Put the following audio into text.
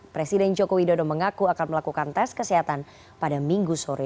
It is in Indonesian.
presiden joko widodo mengaku akan melakukan tes kesehatan pada minggu sore